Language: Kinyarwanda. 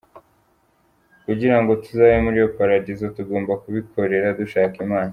Kugirango tuzabe muli iyo Paradizo, tugomba kubikorera dushaka imana.